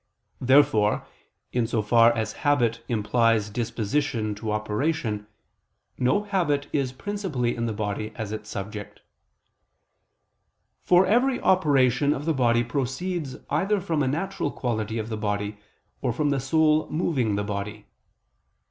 Therefore in so far as habit implies disposition to operation, no habit is principally in the body as its subject. For every operation of the body proceeds either from a natural quality of the body or from the soul moving the body.